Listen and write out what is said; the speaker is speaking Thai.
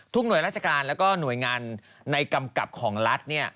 หน่วยราชการแล้วก็หน่วยงานในกำกับของรัฐ